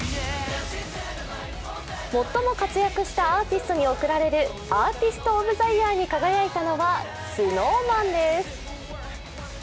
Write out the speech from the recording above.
最も活躍したアーティストに贈られるアーティスト・オブ・ザイヤーに輝いたのはＳｎｏｗＭａｎです。